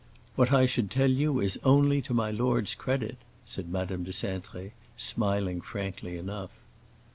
"What I should tell you is only to my lord's credit," said Madame de Cintré, smiling frankly enough.